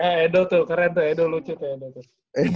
eh edo tuh keren tuh edo lucu tuh edo